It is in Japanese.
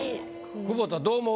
久保田どう思う？